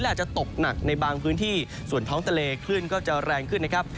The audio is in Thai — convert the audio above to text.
อาจจะตกหนักในบางพื้นที่ส่วนท้องทะเลคลื่นก็จะแรงขึ้นนะครับ